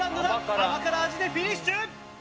甘辛味でフィニッシュ！